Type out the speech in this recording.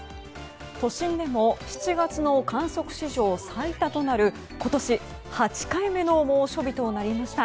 都心でも７月の観測史上最多となる今年８回目の猛暑日となりました。